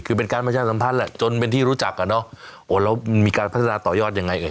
คือเป็นการประชาสัมพันธ์แหละจนเป็นที่รู้จักอ่ะเนอะโอ้แล้วมีการพัฒนาต่อยอดยังไงเอ่